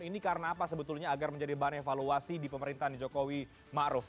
ini karena apa sebetulnya agar menjadi bahan evaluasi di pemerintahan jokowi ma'ruf